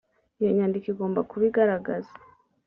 iyo nyandiko igomba kuba igaragaza